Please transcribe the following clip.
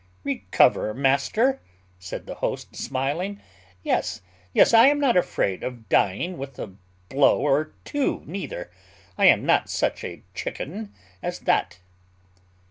"Recover! master," said the host, smiling: "yes, yes, I am not afraid of dying with a blow or two neither; I am not such a chicken as that."